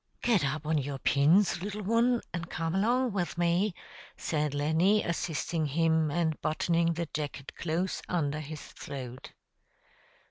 "Get up on your pins, little 'un, an' come along with me," said Lenny, assisting him, and buttoning the jacket close under his throat.